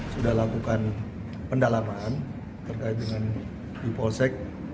sudah lakukan pendalaman terkait dengan di polsek